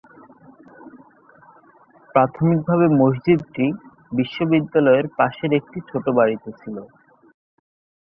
প্রাথমিকভাবে মসজিদটি বিশ্ববিদ্যালয়ের পাশের একটি ছোট বাড়িতে ছিল।